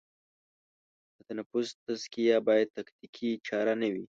د نفس تزکیه باید تکتیکي چاره نه وي.